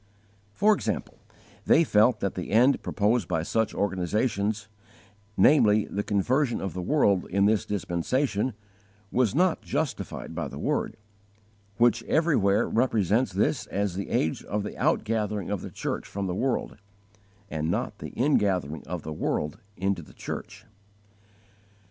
For example, they felt that the end proposed by such organizations, namely, the conversion of the world in this dispensation, was not justified by the Word, which everywhere represents this as the age of the outgathering of the church from the world, and not the ingathering of the world into the church.